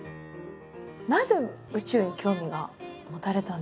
なぜ宇宙に興味が持たれたんですか？